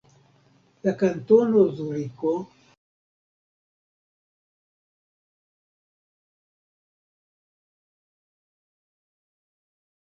La Kantono Zuriko estas bone ligita al la nacia aŭtoŝose-reto de Svislando.